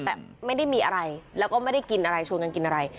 แต่ไม่ได้มีอะไรแล้วก็ไม่ได้กินอะไรชวนกันกินอะไร